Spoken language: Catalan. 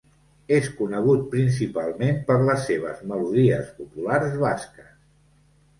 És conegut principalment per les seves melodies populars basques.